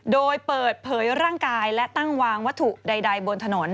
โดยเปิดเผยร่างกายและตั้งวางวัตถุใดบนถนน